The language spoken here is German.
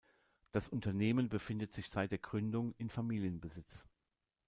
Das Unternehmen befindet sich seit der Gründung in Familienbesitz.